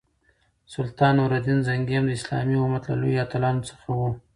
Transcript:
سلطان نور الدین زنګي هم د اسلامي امت له لویو اتلانو څخه وو.